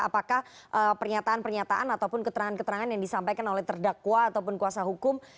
apakah pernyataan pernyataan ataupun keterangan keterangan yang disampaikan oleh terdakwa ataupun kuasa hukum